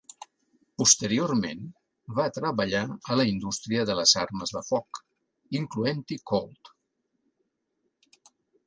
Posteriorment va treballar a la indústria de les armes de foc, incloent-hi Colt.